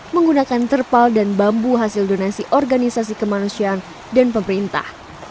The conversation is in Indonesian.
menggunakan terpal dan bambu hasil donasi organisasi kemanusiaan dan pemerintah